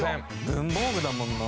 文房具だもんな。